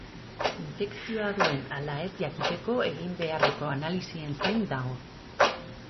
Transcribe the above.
Infekzioa duen ala ez jakiteko egin beharreko analisien zain dago.